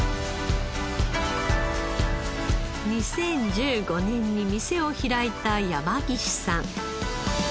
２０１５年に店を開いた山岸さん。